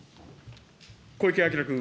小池晃君。